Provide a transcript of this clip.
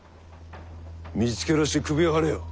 見つけ出して首をはねよ。